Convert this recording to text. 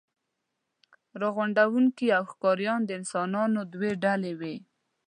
راغونډوونکي او ښکاریان د انسانانو دوې ډلې وې.